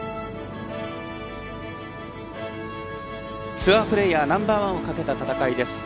ツアープレーヤーナンバーワンをかけた戦いです。